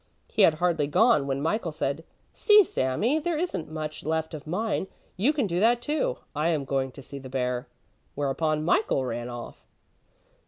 He had hardly gone when Michael said: "See, Sami, there isn't much left of mine, you can do that too; I am going to see the bear." Whereupon Michael ran off.